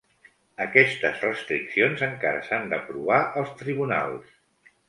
Aquestes restriccions encara s'han d'aprovar als tribunals.